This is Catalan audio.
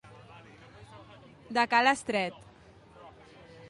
De ca l'Estret.